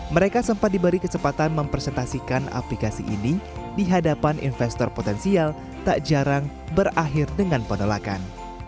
mereka sempat diberi kesempatan mempresentasikan aplikasi ini di hadapan investor potensial tak jarang berakhir dengan penolakan